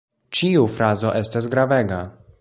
Ĉiu frazo estas gravega.